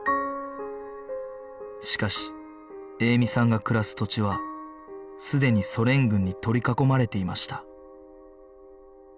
しかし栄美さんが暮らす土地はすでにソ連軍に取り囲まれていました